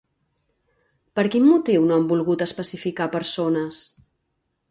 Per quin motiu no han volgut especificar persones?